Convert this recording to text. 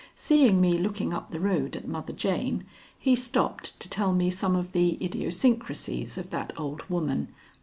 "Seeing me looking up the road at Mother Jane, he stopped to tell me some of the idiosyncrasies of that old woman.